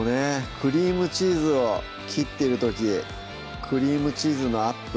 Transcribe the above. クリームチーズを切ってる時クリームチーズのアップ